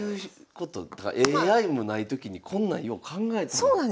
ＡＩもない時にこんなんよう考えたな。